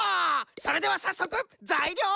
それではさっそくざいりょうえらびじゃ！